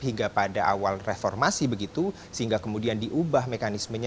hingga pada awal reformasi begitu sehingga kemudian diubah mekanismenya